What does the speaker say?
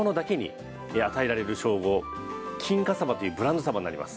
金華さばというブランドさばになります。